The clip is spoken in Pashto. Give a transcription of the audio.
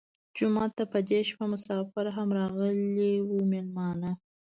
جومات ته په دې شپه مسافر هم راغلي وو مېلمانه.